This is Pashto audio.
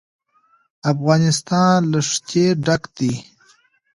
افغانستان له ښتې ډک دی.